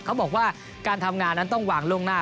เขาบอกว่าการทำงานนั้นต้องวางล่วงหน้า